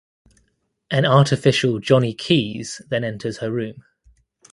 An artificial Johnnie Keyes then enters her room.